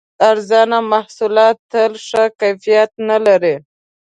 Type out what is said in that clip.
ارزانه محصولات تل ښه کیفیت نه لري.